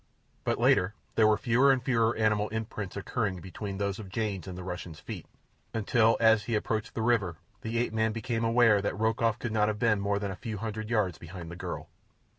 But later there were fewer and fewer animal imprints occurring between those of Jane's and the Russian's feet, until as he approached the river the ape man became aware that Rokoff could not have been more than a few hundred yards behind the girl.